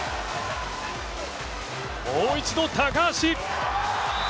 もう一度、高橋。